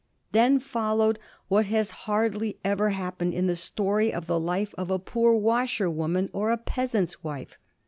Then followed what has hardly ever happened in the story of the life of a poor washer woman or a peasant's wife.